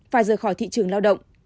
phải rời khỏi thị trường lao động